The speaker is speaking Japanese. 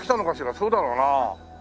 そうだろうなあ。